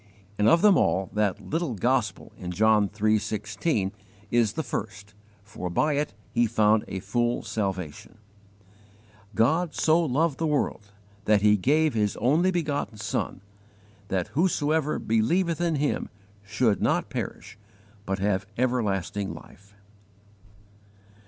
And, of them all, that 'little gospel' in John iii. 16 is the first, for by it he found a full salvation: "GOD SO LOVED THE WORLD THAT HE GAVE HIS ONLY BEGOTTEN SON, THAT WHOSOEVER BELIEVETH IN HIM SHOULD NOT PERISH, BUT HAVE EVERLASTING LIFE."